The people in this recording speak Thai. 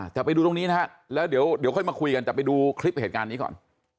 แต่ไปดูตรงนี้นะฮะแล้วเดี๋ยวค่อยมาคุยกันแต่ไปดูคลิปเหตุการณ์นี้ก่อน